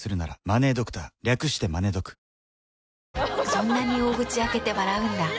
そんなに大口開けて笑うんだ。